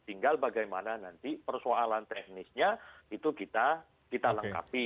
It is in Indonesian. tinggal bagaimana nanti persoalan teknisnya itu kita lengkapi